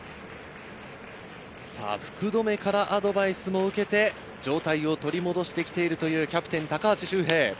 福留からアドバイスも受けて、状態を取り戻してきているというキャプテン・高橋周平。